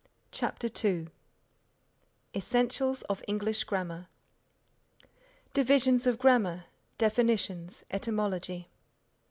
CHAPTER II ESSENTIALS OF ENGLISH GRAMMAR Divisions of Grammar Definitions Etymology.